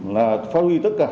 là phát huy tất cả